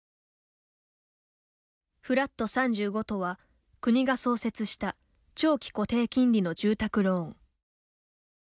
フラット３５とは、国が創設した長期固定金利の住宅ローン。